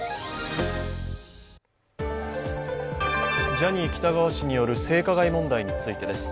ジャニー喜多川氏による性加害問題についてです。